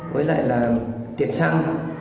với lại là tiền xăng